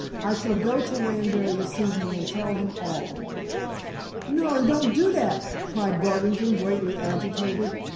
I shall go to Wanbury this evening and tell him all." "No; don't do that!" cried Garvington, greatly agitated.